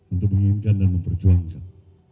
untuk menginginkan dan memperjuangkan